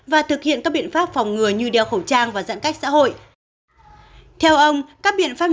và thực hiện các biện pháp phòng ngừa như đeo khẩu trang và giãn cách xã hội theo ông các biện pháp